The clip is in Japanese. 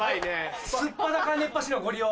素っ裸熱波師のご利用